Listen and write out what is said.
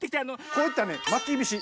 こういったね「まきびし」